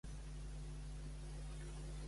Com defineixen la justícia d'Espanya?